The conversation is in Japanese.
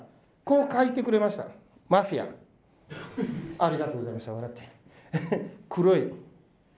ありがとうございます笑って。